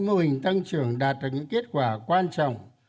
mô hình tăng trưởng đạt được những kết quả quan trọng